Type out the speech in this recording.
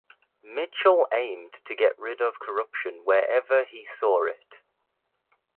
Mitchel aimed to get rid of corruption wherever he saw it.